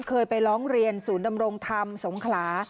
เคยไปร้องเรียนศูนย์ดำรงธรรมสงขลา